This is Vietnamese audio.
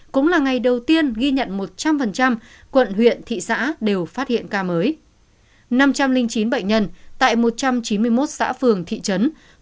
cũng là ngày đầu tiên ghi nhận một trăm linh quận huyện thị xã đều phát hiện ca mới